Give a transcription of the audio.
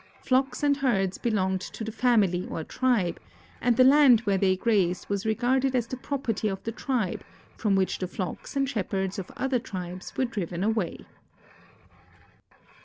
Flocks and herds belonged to the family or tribe, and the land where they grazed was regarded as the property of the tribe, from which the flocks and shepherds of other tribes were driven away.